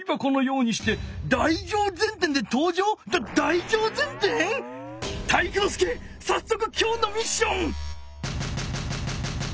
さっそくきょうのミッション！